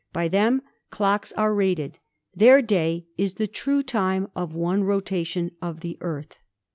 By them clocks are rated. Their day is the true time of one revolution of the Earth.'